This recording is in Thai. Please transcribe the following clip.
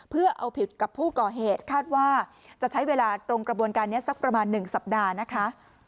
เพื่อเอาผิดกับผู้ก่อเหตุคาดว่าจะใช้เวลาตรงกระบวนการนี้สักประมาณ๑สัปดาห์นะคะ